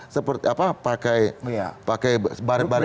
seperti apa pakai pakai baret baret